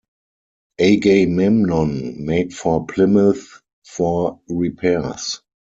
"Agamemnon" made for Plymouth for repairs.